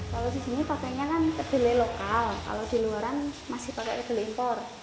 kalau di sini pakainya kan kedelai lokal kalau di luaran masih pakai kedelai impor